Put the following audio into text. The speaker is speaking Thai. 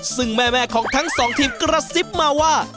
ซึ่งแม่ของทั้งสองทีมกระซิบมาว่า